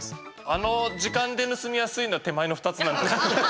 あの時間で盗みやすいのは手前の２つ。